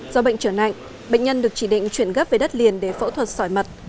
do bệnh trở nặng bệnh nhân được chỉ định chuyển gấp về đất liền để phẫu thuật sỏi mật